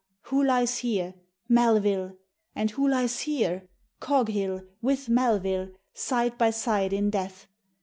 Who lies here? MELVILLE! And who lies here? COGHILL with MELVILLE, side by side in death!